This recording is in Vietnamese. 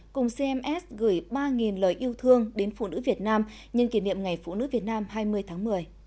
cùng cms gửi ba lời yêu thương đến phụ nữ việt nam nhân kỷ niệm ngày phụ nữ việt nam hai mươi tháng một mươi